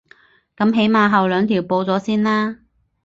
噉起碼後兩條報咗先啦